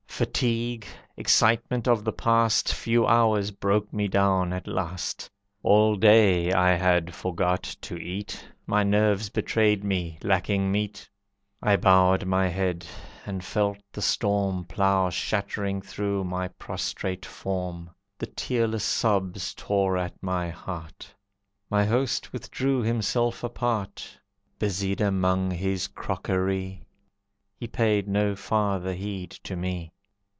Fatigue, excitement of the past Few hours broke me down at last. All day I had forgot to eat, My nerves betrayed me, lacking meat. I bowed my head and felt the storm Plough shattering through my prostrate form. The tearless sobs tore at my heart. My host withdrew himself apart; Busied among his crockery, He paid no farther heed to me.